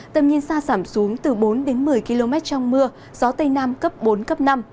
tầm nhìn xa giảm xuống từ bốn một mươi km trong mưa gió tây nam cấp bốn năm